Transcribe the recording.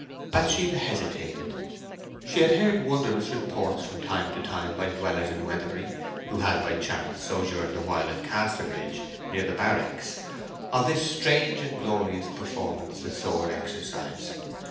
Bathsheba hesitated. She had heard wondrous reports from time to time by dwellers in Weatherbury, who had by chance sojourned awhile in Casterbridge, near the barracks, of this strange and glorious performance, the sword exercise.